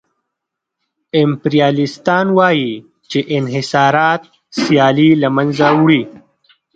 امپریالیستان وايي چې انحصارات سیالي له منځه وړي